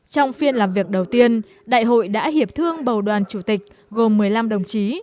trong phiên làm việc đầu tiên đại hội đã hiệp thương bầu đoàn chủ tịch gồm một mươi năm đồng chí